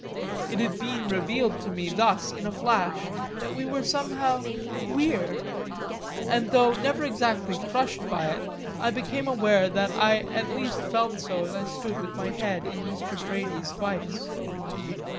It had been revealed to me thus in a flash that we were somehow queer, and though never exactly crushed by it I became aware that I at least felt so as I stood with my head in Mr. Brady's vise.